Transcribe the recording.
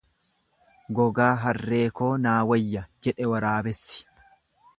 Gogaa harree koo naa wayya jedhe waraabessi.